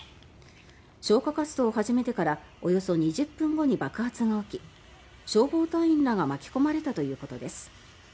消火活動を始めてからおよそ２０分後に爆発が起き消防隊員らが巻き込まれたということです。